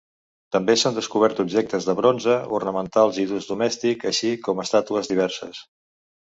També s'han descobert objectes de bronze, ornamentals i d'ús domèstic, així com estàtues diverses.